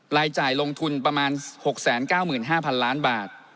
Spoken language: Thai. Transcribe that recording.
รายจ่ายลงทุนประมาณ๖๙๕๐๐๐ล้านบาท